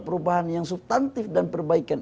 perubahan yang subtantif dan perbaikan